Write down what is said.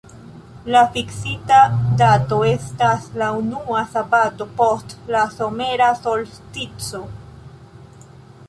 La fiksita dato estas la unua sabato post la somera solstico.